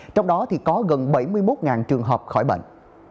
trong đó có gần bảy mươi một trường hợp khỏi bệnh